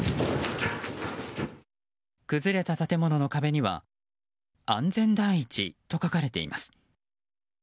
崩れた建物の壁には安全第一と書かれています。